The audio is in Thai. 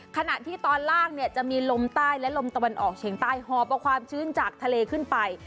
ขณะที่ตอนล่างเนี่ยจะมีลมใต้และลมตะวันออกเฉียงใต้หอบเอาความชื้นจากทะเลขึ้นไป